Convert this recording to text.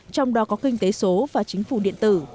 trong đó có kinh tế số và chính phủ điện tử